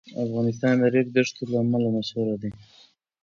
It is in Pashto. افغانستان د ریګ دښتو له امله مشهور دی.